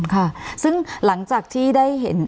ค่ะซึ่งหลังจากที่ได้เห็น